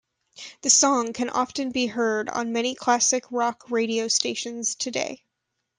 The song can often be heard on many classic rock radio stations today.